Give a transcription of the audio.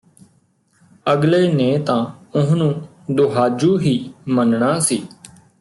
ਅਗਲੇ ਨੇ ਤਾਂ ਉਹਨੂੰ ਦੁਹਾਜੂ ਹੀ ਮੰਨਣਾ ਸੀ